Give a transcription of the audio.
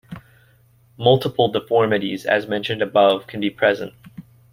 Multiple deformities, as mentioned above, can be present.